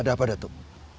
ada apa datuk